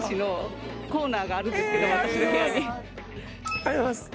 ありがとうございます。